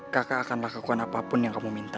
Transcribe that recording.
kakak akan lah kekuan apapun yang kamu minta